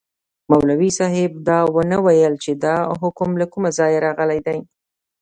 مولوي صاحب دا ونه ویل چي دا حکم له کومه ځایه راغلی دی.